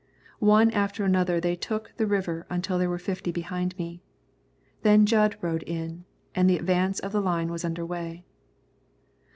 One after another they took the river until there were fifty behind me. Then Jud rode in, and the advance of the line was under way.